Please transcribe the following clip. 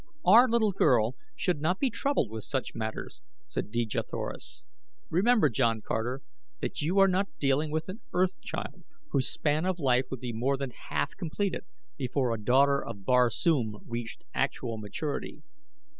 "Our little girl should not yet be troubled with such matters," said Dejah Thoris. "Remember, John Carter, that you are not dealing with an Earth child, whose span of life would be more than half completed before a daughter of Barsoom reached actual maturity."